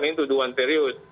ini tuduhan serius